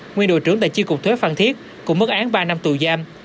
nguyên đội trưởng tại chi cục thuế phan thiết cũng mất án ba năm tù giam